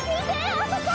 あそこ！